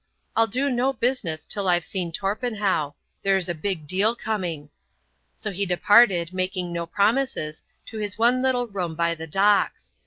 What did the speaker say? "I'll do no business till I've seen Torpenhow. There's a big deal coming." So he departed, making no promises, to his one little room by the Docks.